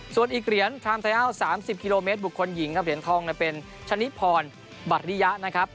ส่วนอีกเหรียญชามไทอัล๓๐กิโลเมตรบุคคลหญิงครับเหรียญทองเป็นชนิพรบัริยะนะครับ